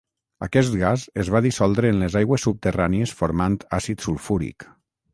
Aquest gas es va dissoldre en les aigües subterrànies formant àcid sulfúric.